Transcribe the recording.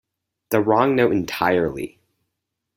The wrong note entirely.